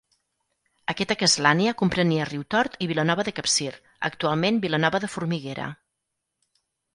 Aquesta castlania comprenia Riutort i Vilanova de Capcir, actualment Vilanova de Formiguera.